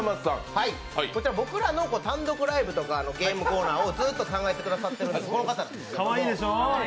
僕らの単独ライブとかゲームコーナーをずっと考えてくださってる、この方です。